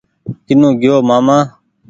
ڪينو گيو ماما